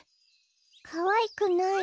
かわいくない。